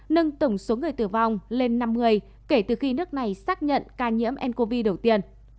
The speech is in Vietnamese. nâng tổng số người tử vong lên năm người kể từ khi nước này xác nhận ca nhiễm ncov đầu tiên